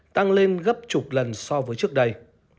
tăng lên gấp chục lần so với trước đây